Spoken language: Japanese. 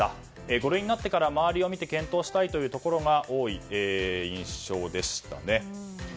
５類なってから周りを見て検討したいというところが多い印象でしたね。